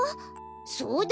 そうだよ